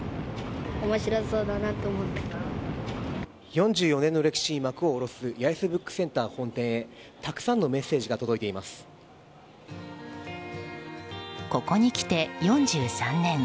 ４４年の歴史に幕を下ろす八重洲ブックセンター本店へたくさんのメッセージがここに来て４３年。